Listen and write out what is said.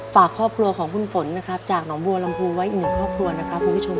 ฝากครอบครัวของคุณฝนจากหน่อมบัวลำพูไว้อื่นครอบครัวนะครับคุณผู้ชม